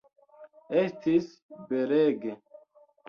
Estis belege.